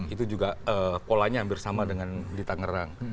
itu juga polanya hampir sama dengan di tangerang